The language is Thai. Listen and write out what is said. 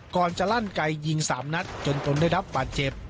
ก่อนจะลั่นไกยิง๓นัดจนตนได้รับบาดเจ็บ